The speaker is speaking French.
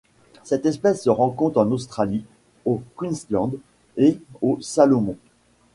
Cette espèce se rencontre en Australie au Queensland et aux Salomon.